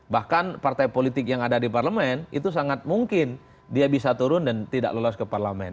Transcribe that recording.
bahkan partai politik yang ada di parlemen itu sangat mungkin dia bisa turun dan tidak lolos ke parlemen